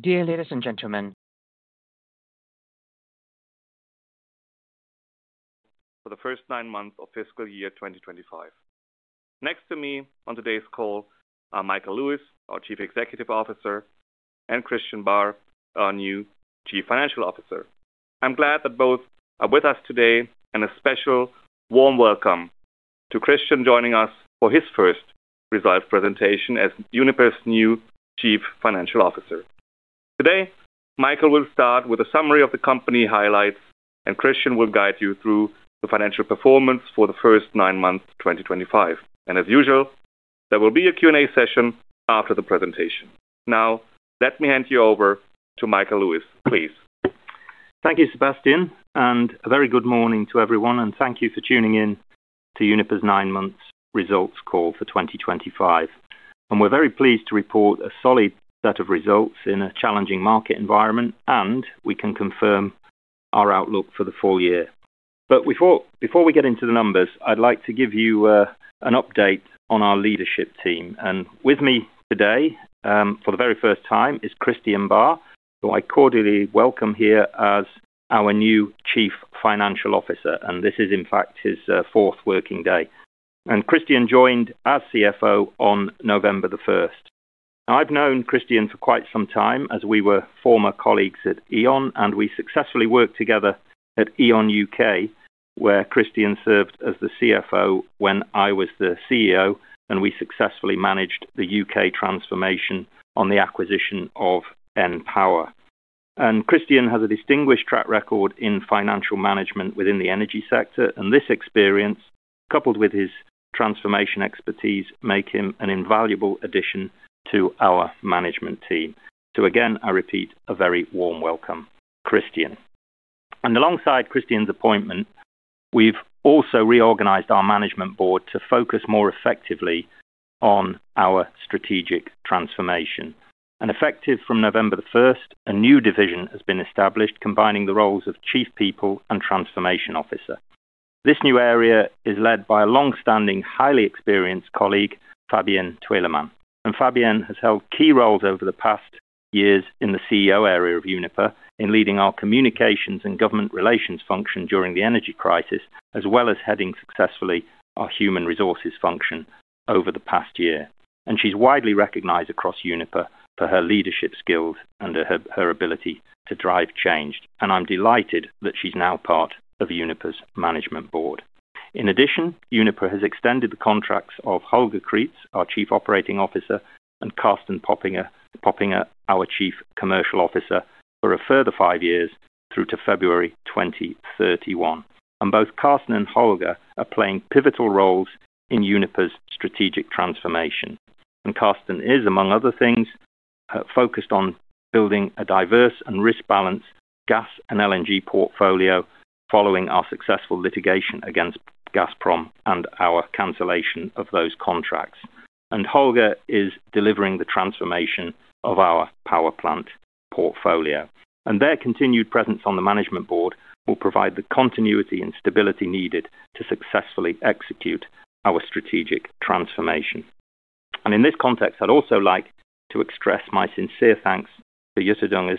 Dear ladies and gentlemen. For the first nine months of fiscal year 2025. Next to me on today's call are Michael Lewis, our Chief Executive Officer, and Christian Barr, our new Chief Financial Officer. I'm glad that both are with us today, and a special warm welcome to Christian joining us for his first result presentation as Uniper's new Chief Financial Officer. Today, Michael will start with a summary of the company highlights, and Christian will guide you through the financial performance for the first nine months of 2025. As usual, there will be a Q&A session after the presentation. Now, let me hand you over to Michael Lewis, please. Thank you, Sebastian, and a very good morning to everyone, and thank you for tuning in to Uniper's nine-month results call for 2025. We are very pleased to report a solid set of results in a challenging market environment, and we can confirm our outlook for the full year. Before we get into the numbers, I'd like to give you an update on our leadership team. With me today, for the very first time, is Christian Barr, who I cordially welcome here as our new Chief Financial Officer, and this is, in fact, his fourth working day. Christian joined as CFO on November 1. Now, I've known Christian for quite some time, as we were former colleagues at E.ON, and we successfully worked together at E.ON UK, where Christian served as the CFO when I was the CEO, and we successfully managed the U.K. transformation on the acquisition of Empower. Christian has a distinguished track record in financial management within the energy sector, and this experience, coupled with his transformation expertise, makes him an invaluable addition to our management team. I repeat, a very warm welcome, Christian. Alongside Christian's appointment, we've also reorganized our management board to focus more effectively on our strategic transformation. Effective from November the 1st, a new division has been established, combining the roles of Chief People and Transformation Officer. This new area is led by a longstanding, highly experienced colleague, Fabien Tueleman. Fabien has held key roles over the past years in the CEO area of Uniper, in leading our communications and government relations function during the energy crisis, as well as heading successfully our human resources function over the past year. She is widely recognized across Uniper for her leadership skills and her ability to drive change. I am delighted that she is now part of Uniper's management board. In addition, Uniper has extended the contracts of Holger Kreetz, our Chief Operating Officer, and Carsten Poppinga, our Chief Commercial Officer, for a further five years through to February 2031. Both Carsten and Holger are playing pivotal roles in Uniper's strategic transformation. Carsten is, among other things, focused on building a diverse and risk-balanced gas and LNG portfolio, following our successful litigation against Gazprom and our cancellation of those contracts. Holger is delivering the transformation of our power plant portfolio. Their continued presence on the management board will provide the continuity and stability needed to successfully execute our strategic transformation. In this context, I'd also like to express my sincere thanks to Jutta Dönges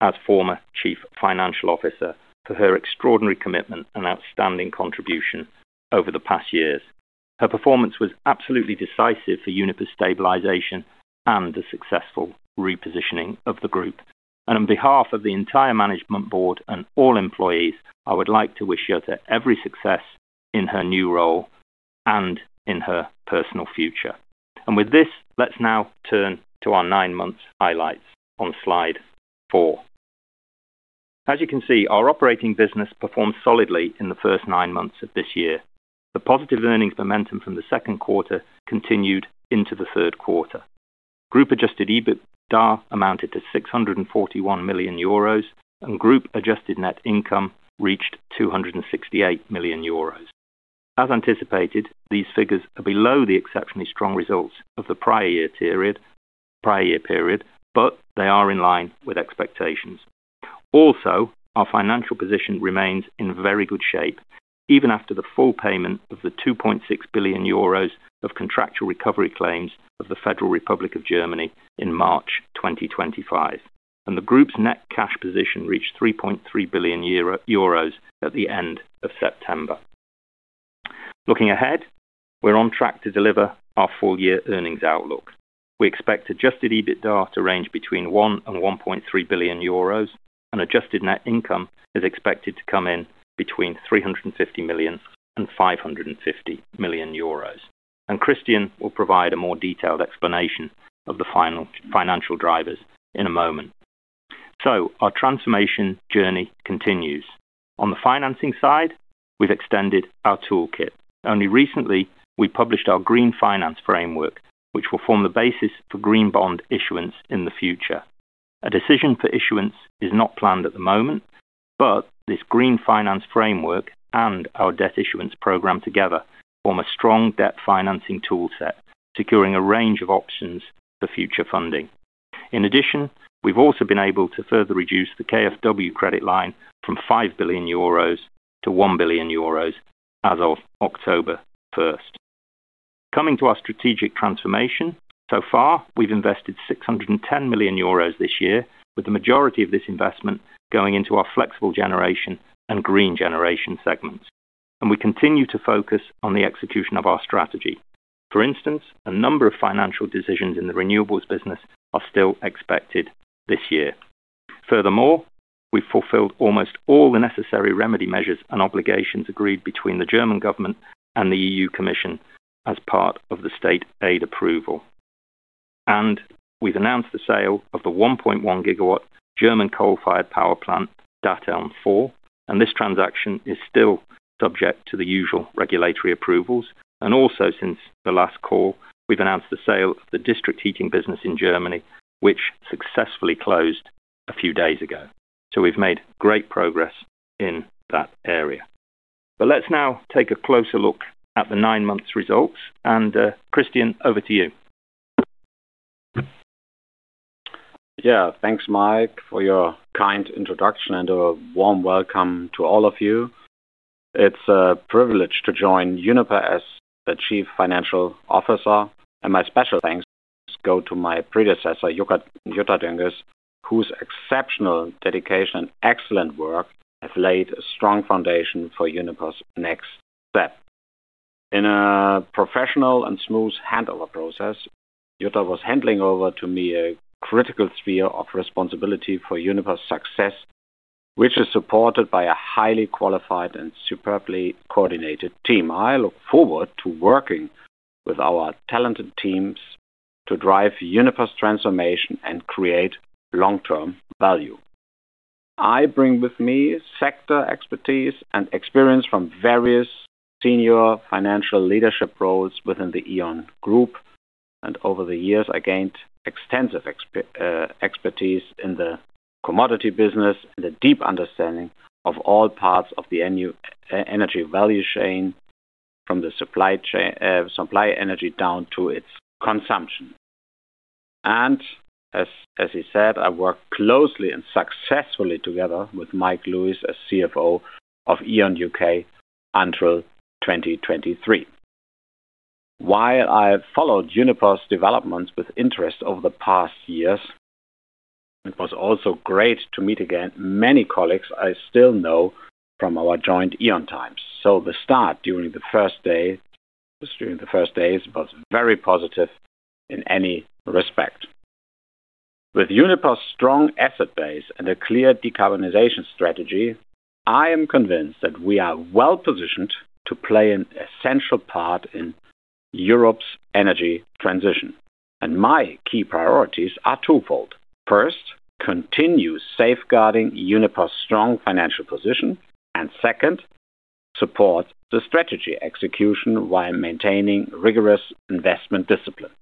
as former Chief Financial Officer for her extraordinary commitment and outstanding contribution over the past years. Her performance was absolutely decisive for Uniper's stabilization and the successful repositioning of the group. On behalf of the entire management board and all employees, I would like to wish Jutta every success in her new role and in her personal future. With this, let's now turn to our nine-month highlights on slide four. As you can see, our operating business performed solidly in the first nine months of this year. The positive earnings momentum from the second quarter continued into the third quarter. Group-adjusted EBITDA amounted to 641 million euros, and group-adjusted net income reached 268 million euros. As anticipated, these figures are below the exceptionally strong results of the prior year period. They are in line with expectations. Also, our financial position remains in very good shape, even after the full payment of the 2.6 billion euros of contractual recovery claims of the Federal Republic of Germany in March 2025. The group's net cash position reached 3.3 billion euros at the end of September. Looking ahead, we're on track to deliver our full-year earnings outlook. We expect adjusted EBITDA to range between 1 billion and 1.3 billion euros, and adjusted net income is expected to come in between 350 million and 550 million euros. Christian will provide a more detailed explanation of the final financial drivers in a moment. Our transformation journey continues. On the financing side, we've extended our toolkit. Only recently, we published our green finance framework, which will form the basis for green bond issuance in the future. A decision for issuance is not planned at the moment, but this green finance framework and our debt issuance program together form a strong debt financing toolset, securing a range of options for future funding. In addition, we've also been able to further reduce the KfW credit line from 5 billion euros to 1 billion euros as of October 1. Coming to our strategic transformation, so far, we've invested 610 million euros this year, with the majority of this investment going into our flexible generation and green generation segments. We continue to focus on the execution of our strategy. For instance, a number of financial decisions in the renewables business are still expected this year. Furthermore, we have fulfilled almost all the necessary remedy measures and obligations agreed between the German government and the EU Commission as part of the state aid approval. We have announced the sale of the 1.1 GW German coal-fired power plant, Datteln 4, and this transaction is still subject to the usual regulatory approvals. Also, since the last call, we have announced the sale of the district heating business in Germany, which successfully closed a few days ago. We have made great progress in that area. Let us now take a closer look at the nine-month results, and Christian, over to you. Yeah, thanks, Mike, for your kind introduction and a warm welcome to all of you. It's a privilege to join Uniper as the Chief Financial Officer, and my special thanks go to my predecessor, Jutta Dönges, whose exceptional dedication and excellent work have laid a strong foundation for Uniper's next step. In a professional and smooth handover process, Jutta was handing over to me a critical sphere of responsibility for Uniper's success, which is supported by a highly qualified and superbly coordinated team. I look forward to working with our talented teams to drive Uniper's transformation and create long-term value. I bring with me sector expertise and experience from various senior financial leadership roles within the E.ON Group, and over the years, I gained extensive expertise in the commodity business and a deep understanding of all parts of the energy value chain, from the supply energy down to its consumption. As he said, I worked closely and successfully together with Michael Lewis as CFO of E.ON UK until 2023. While I followed Uniper's developments with interest over the past years. It was also great to meet again many colleagues I still know from our joint E.ON times. The start during the first day. During the first days was very positive in any respect. With Uniper's strong asset base and a clear decarbonization strategy, I am convinced that we are well positioned to play an essential part in Europe's energy transition. My key priorities are twofold. First, continue safeguarding Uniper's strong financial position, and second, support the strategy execution while maintaining rigorous investment discipline.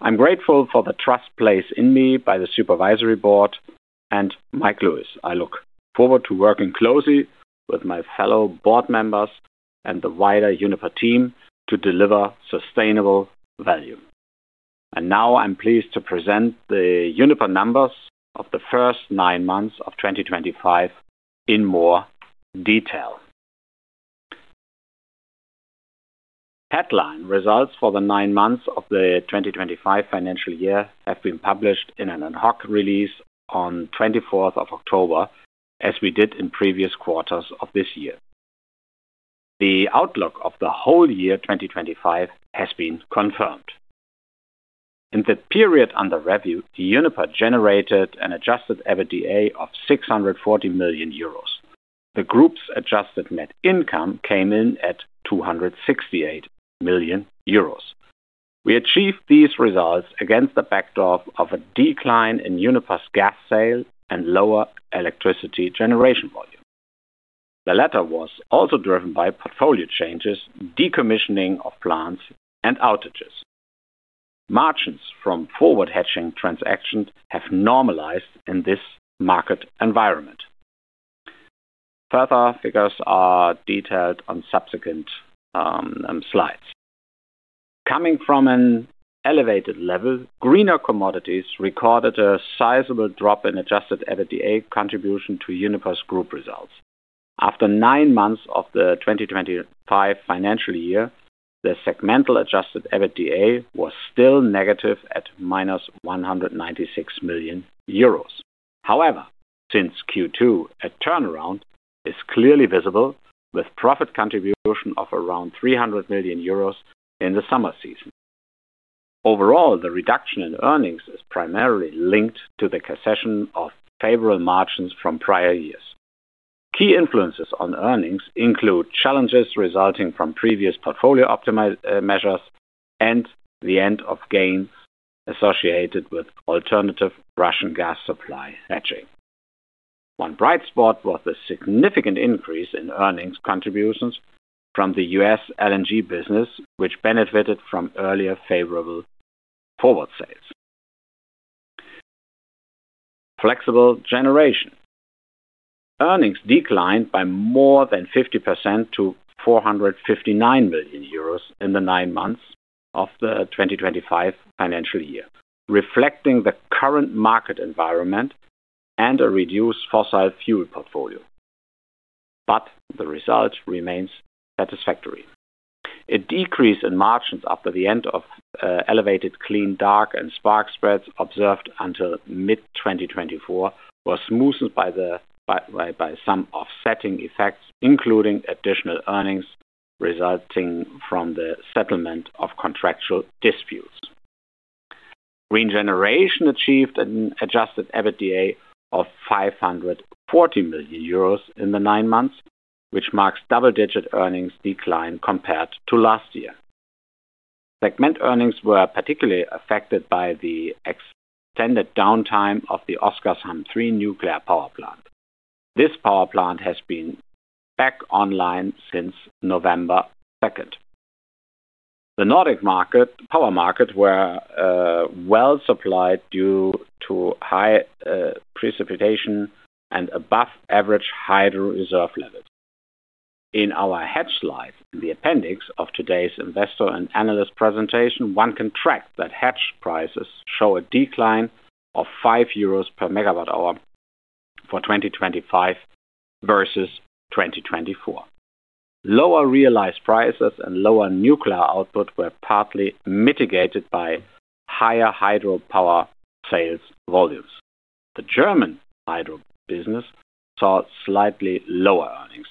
I'm grateful for the trust placed in me by the supervisory board and Michael Lewis. I look forward to working closely with my fellow board members and the wider Uniper team to deliver sustainable value. I am pleased to present the Uniper numbers of the first nine months of 2025 in more detail. Headline results for the nine months of the 2025 financial year have been published in an ad-hoc release on the 24th of October, as we did in previous quarters of this year. The outlook of the whole year 2025 has been confirmed. In the period under review, Uniper generated an adjusted EBITDA of 640 million euros. The group's adjusted net income came in at 268 million euros. We achieved these results against the backdrop of a decline in Uniper's gas sale and lower electricity generation volume. The latter was also driven by portfolio changes, decommissioning of plants, and outages. Margins from forward-hedging transactions have normalized in this market environment. Further figures are detailed on subsequent slides. Coming from an elevated level, greener commodities recorded a sizable drop in adjusted EBITDA contribution to Uniper's group results. After nine months of the 2025 financial year, the segmental adjusted EBITDA was still negative at 196 million euros. However, since Q2, a turnaround is clearly visible, with profit contribution of around 300 million euros in the summer season. Overall, the reduction in earnings is primarily linked to the concession of favorable margins from prior years. Key influences on earnings include challenges resulting from previous portfolio optimization measures and the end of gains associated with alternative Russian gas supply hedging. One bright spot was the significant increase in earnings contributions from the US LNG business, which benefited from earlier favorable forward sales. Flexible generation. Earnings declined by more than 50% to 459 million euros in the nine months of the 2025 financial year, reflecting the current market environment and a reduced fossil fuel portfolio. The result remains satisfactory. A decrease in margins after the end of elevated clean dark and spark spreads observed until mid-2024 was smoothed by some offsetting effects, including additional earnings resulting from the settlement of contractual disputes. Green generation achieved an adjusted EBITDA of 540 million euros in the nine months, which marks double-digit earnings decline compared to last year. Segment earnings were particularly affected by the extended downtime of the Oskarshamn 3 nuclear power plant. This power plant has been back online since November 2nd. The Nordic power markets were well supplied due to high precipitation and above-average hydro reserve levels. In our hedge slide in the appendix of today's investor and analyst presentation, one can track that hedge prices show a decline of 5 euros per megawatt hour for 2025 versus 2024. Lower realized prices and lower nuclear output were partly mitigated by higher hydro power sales volumes. The German hydro business saw slightly lower earnings.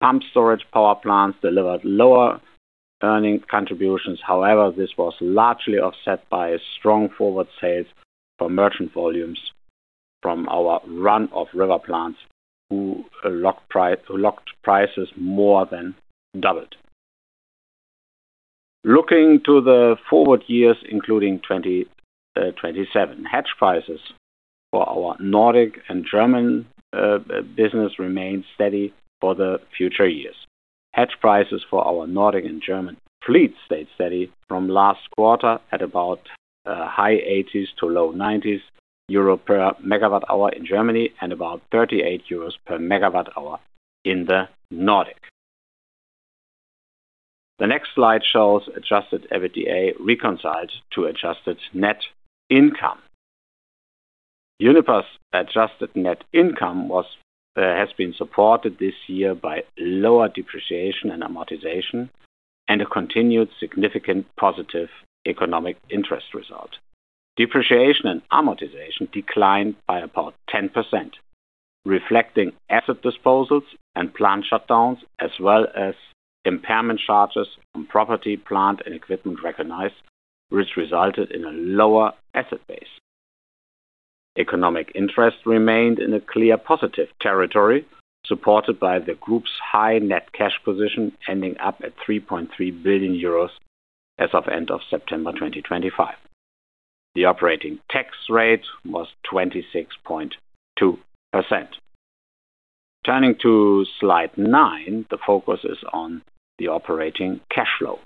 Pump storage power plants delivered lower earning contributions. However, this was largely offset by strong forward sales for merchant volumes from our run-of-river plants, who locked prices more than doubled. Looking to the forward years, including 2027, hedge prices for our Nordic and German business remain steady for the future years. Hedge prices for our Nordic and German fleets stayed steady from last quarter at about high 80s to low 90s per megawatt hour in Germany and about 38 euros per megawatt hour in the Nordic. The next slide shows adjusted EBITDA reconciled to adjusted net income. Uniper's adjusted net income has been supported this year by lower depreciation and amortization and a continued significant positive economic interest result. Depreciation and amortization declined by about 10%. Reflecting asset disposals and plant shutdowns, as well as impairment charges on property, plant, and equipment recognized, which resulted in a lower asset base. Economic interest remained in a clear positive territory, supported by the group's high net cash position, ending up at 3.3 billion euros as of end of September 2025. The operating tax rate was 26.2%. Turning to slide nine, the focus is on the operating cash flow.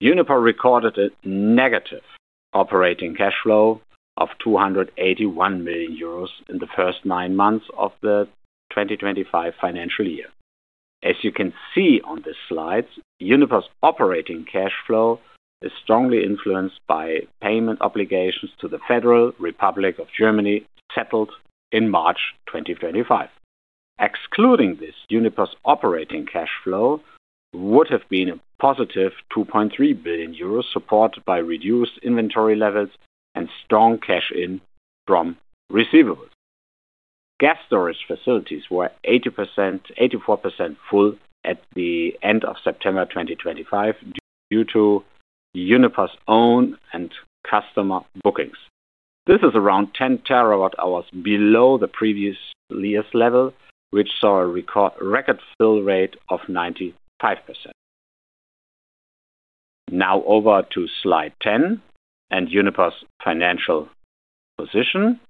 Uniper recorded a negative operating cash flow of 281 million euros in the first nine months of the 2025 financial year. As you can see on the slides, Uniper's operating cash flow is strongly influenced by payment obligations to the Federal Republic of Germany settled in March 2025. Excluding this, Uniper's operating cash flow would have been a positive 2.3 billion euros, supported by reduced inventory levels and strong cash in from receivables. Gas storage facilities were 84% full at the end of September 2025 due to Uniper's own and customer bookings. This is around 10 TWh below the previous year's level, which saw a record fill rate of 95%. Now over to slide 10 and Uniper's financial position.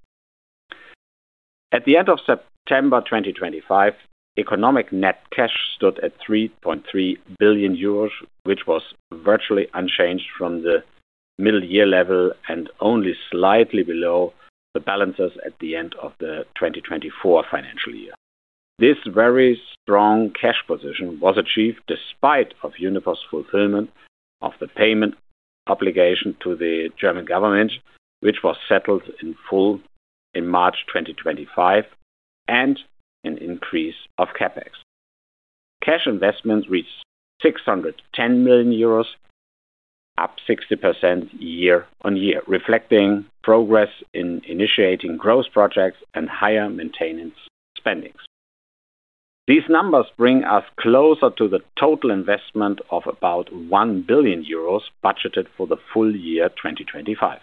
At the end of September 2025, economic net cash stood at 3.3 billion euros, which was virtually unchanged from the middle year level and only slightly below the balances at the end of the 2024 financial year. This very strong cash position was achieved despite Uniper's fulfillment of the payment obligation to the German government, which was settled in full in March 2025, and an increase of CapEx. Cash investment reached 610 million euros. Up 60% year on year, reflecting progress in initiating growth projects and higher maintenance spendings. These numbers bring us closer to the total investment of about 1 billion euros budgeted for the full year 2025.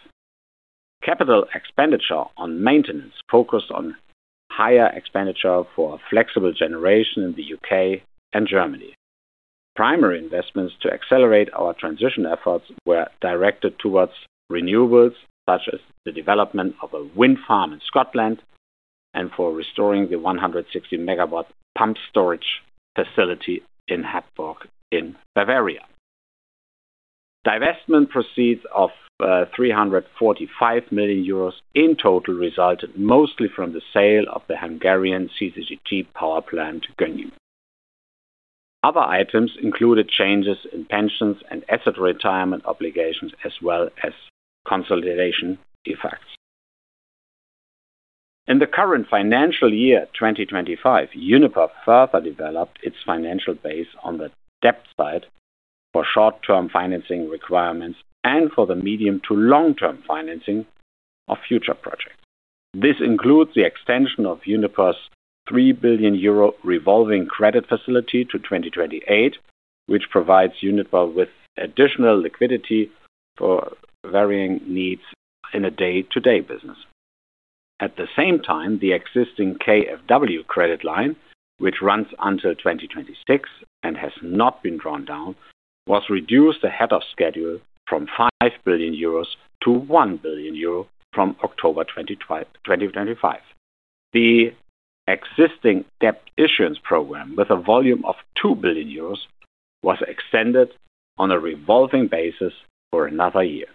Capital expenditure on maintenance focused on higher expenditure for flexible generation in the U.K. and Germany. Primary investments to accelerate our transition efforts were directed towards renewables such as the development of a wind farm in Scotland and for restoring the 160-megawatt pump storage facility in Bavaria. Divestment proceeds of 345 million euros in total resulted mostly from the sale of the Hungarian CCGT power plant Gönyű. Other items included changes in pensions and asset retirement obligations, as well as consolidation effects. In the current financial year 2025, Uniper further developed its financial base on the debt side for short-term financing requirements and for the medium to long-term financing of future projects. This includes the extension of Uniper's 3 billion euro revolving credit facility to 2028, which provides Uniper with additional liquidity for varying needs in day-to-day business. At the same time, the existing KfW credit line, which runs until 2026 and has not been drawn down, was reduced ahead of schedule from 5 billion euros to 1 billion euro from October 2025. The existing debt issuance program, with a volume of 2 billion euros, was extended on a revolving basis for another year.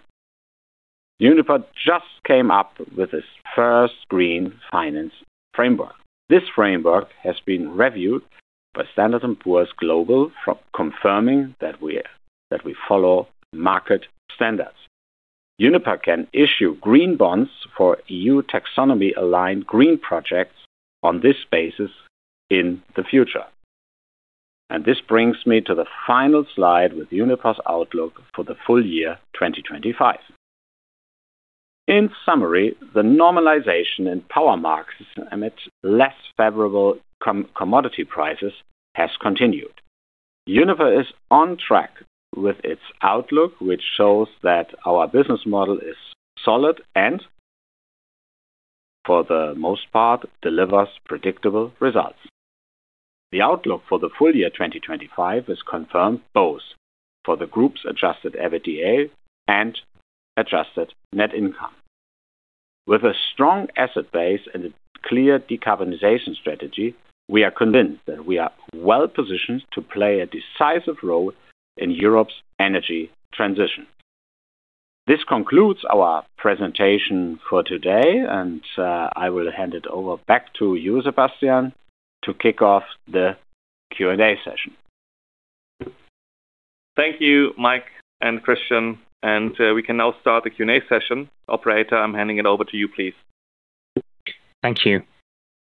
Uniper just came up with its first green finance framework. This framework has been reviewed by Standard & Poor's Global, confirming that we follow market standards. Uniper can issue green bonds for EU taxonomy-aligned green projects on this basis in the future. This brings me to the final slide with Uniper's outlook for the full year 2025. In summary, the normalization in power markets amid less favorable commodity prices has continued. Uniper is on track with its outlook, which shows that our business model is solid and, for the most part, delivers predictable results. The outlook for the full year 2025 is confirmed both for the group's adjusted EBITDA and adjusted net income. With a strong asset base and a clear decarbonization strategy, we are convinced that we are well positioned to play a decisive role in Europe's energy transition. This concludes our presentation for today, and I will hand it over back to you, Sebastian, to kick off the Q&A session. Thank you, Mike and Christian. We can now start the Q&A session. Operator, I am handing it over to you, please. Thank you.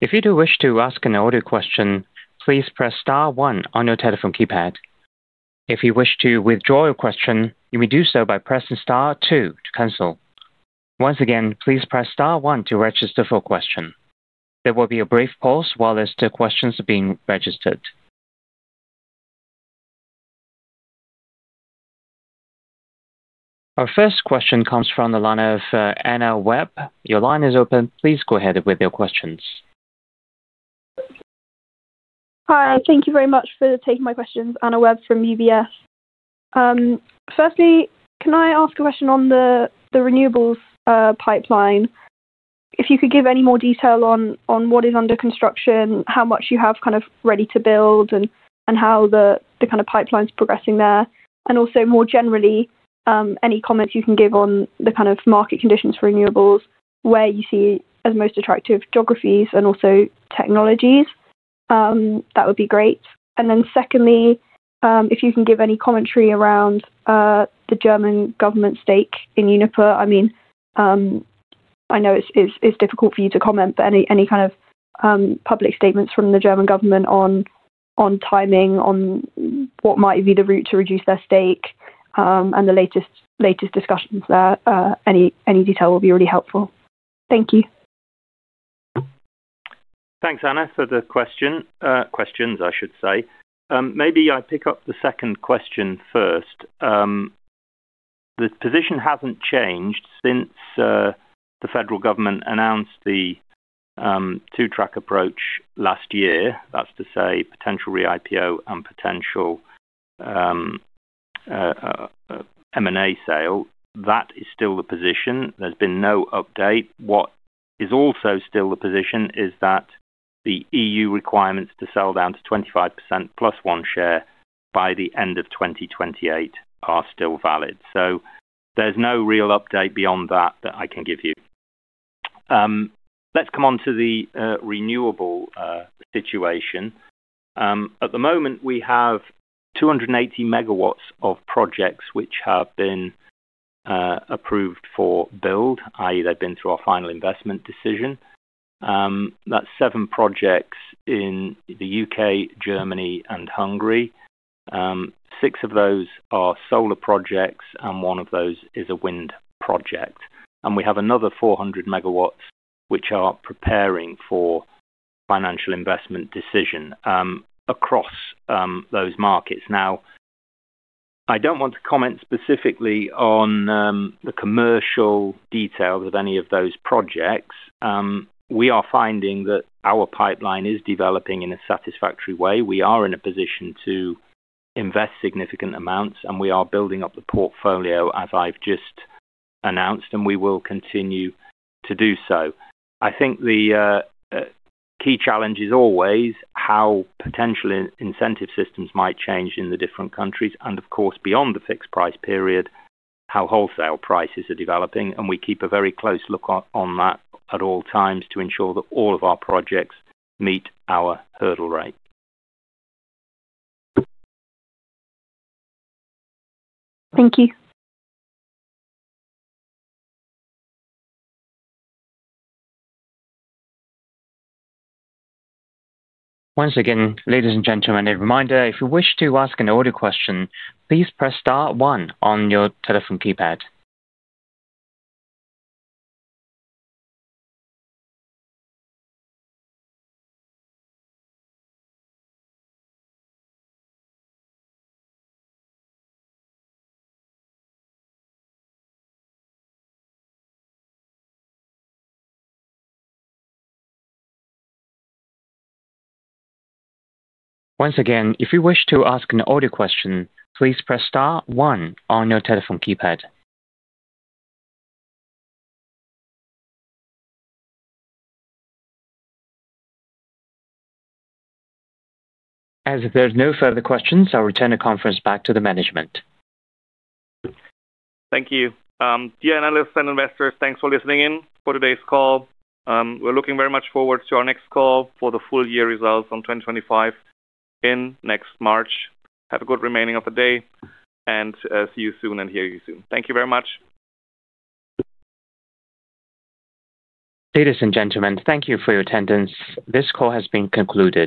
If you do wish to ask an audio question, please press star one on your telephone keypad. If you wish to withdraw your question, you may do so by pressing star two to cancel. Once again, please press star one to register for a question. There will be a brief pause while asked questions are being registered. Our first question comes from the line of Anna Webb. Your line is open. Please go ahead with your questions. Hi, thank you very much for taking my questions. Anna Webb from UBS. Firstly, can I ask a question on the renewables pipeline? If you could give any more detail on what is under construction, how much you have kind of ready to build, and how the kind of pipeline is progressing there. Also, more generally, any comments you can give on the kind of market conditions for renewables, where you see as most attractive geographies and also technologies. That would be great. Secondly, if you can give any commentary around the German government's stake in Uniper. I mean, I know it's difficult for you to comment, but any kind of public statements from the German government on timing, on what might be the route to reduce their stake, and the latest discussions there, any detail will be really helpful. Thank you. Thanks, Anna, for the questions, I should say. Maybe I pick up the second question first. The position has not changed since the federal government announced the two-track approach last year. That is to say potential re-IPO and potential M&A sale. That is still the position. There has been no update. What is also still the position is that the EU requirements to sell down to 25% plus one share by the end of 2028 are still valid. There is no real update beyond that that I can give you. Let's come on to the renewable situation. At the moment, we have 280 MW of projects which have been approved for build, i.e., they have been through our final investment decision. That is seven projects in the U.K., Germany, and Hungary. Six of those are solar projects, and one of those is a wind project. We have another 400 MW which are preparing for financial investment decision across those markets. Now, I do not want to comment specifically on the commercial details of any of those projects. We are finding that our pipeline is developing in a satisfactory way. We are in a position to. Invest significant amounts, and we are building up the portfolio, as I have just announced, and we will continue to do so. I think the key challenge is always how potential incentive systems might change in the different countries. Of course, beyond the fixed price period, how wholesale prices are developing. We keep a very close look on that at all times to ensure that all of our projects meet our hurdle rate. Thank you. Once again, ladies and gentlemen, a reminder, if you wish to ask an audio question, please press star one on your telephone keypad. Once again, if you wish to ask an audio question, please press star one on your telephone keypad. As there are no further questions, I will return the conference back to the management. Thank you. Dear analysts and investors, thanks for listening in for today's call. We're looking very much forward to our next call for the full year results on 2025, in next March. Have a good remaining of the day, and see you soon and hear you soon. Thank you very much. Ladies and gentlemen, thank you for your attendance. This call has been concluded.